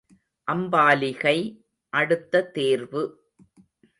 அம்பாலிகை அடுத்த தேர்வு.